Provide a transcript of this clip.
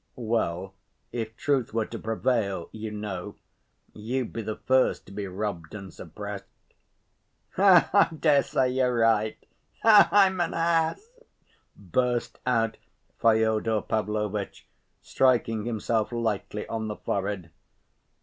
"Well, if Truth were to prevail, you know, you'd be the first to be robbed and suppressed." "Ah! I dare say you're right. Ah, I'm an ass!" burst out Fyodor Pavlovitch, striking himself lightly on the forehead.